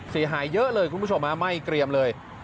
เสียหายเยอะเลยคุณผู้ชมไม่เกรียมเลย